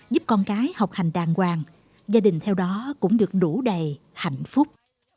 giúp con cái học hành đàng hoàng gia đình theo đó cũng được đủ đầy hạnh phúc